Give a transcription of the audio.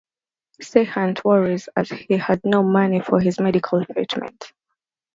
Siddhant worries as he has no money for his medical treatment.